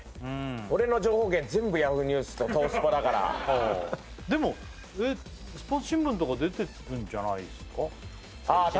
俺の情報源全部Ｙａｈｏｏ！ニュースと東スポだからでもスポーツ新聞とか出てるんじゃないですか？